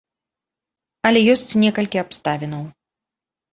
Але ёсць некалькі абставінаў.